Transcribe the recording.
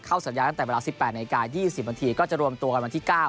สัญญาตั้งแต่เวลา๑๘นาที๒๐นาทีก็จะรวมตัวกันวันที่๙